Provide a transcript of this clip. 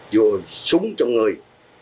dù súng trong người